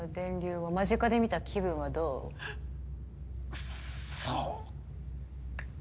くっそ！